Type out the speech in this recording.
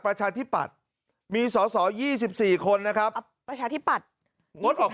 ประชาธิปัตรมีสสยี่สิบสี่คนนะครับปมาชาธิปัตรนั้น